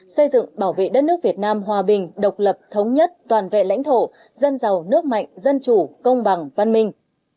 xây dựng bảo vệ đất nước việt nam hòa bình độc lập thống nhất toàn vẹn lãnh thổ dân giàu nước mạnh dân chủ công bằng văn minh